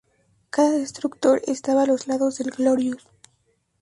Cada destructor estaba a los lados del "Glorious".